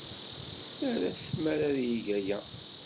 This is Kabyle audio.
Terra-t tmara ad yeg aya.